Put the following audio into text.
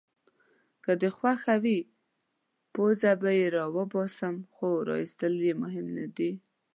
که دي خوښه وي پرزې به يې راوباسم، خو راایستل يې مهم نه دي.